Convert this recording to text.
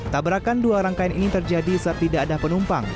tabrakan dua rangkaian ini terjadi saat tidak ada penumpang